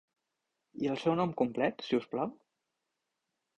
I el seu nom complet si us plau?